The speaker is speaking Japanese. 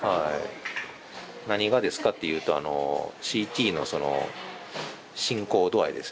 何がですかっていうとＣＴのその進行度合いですよね。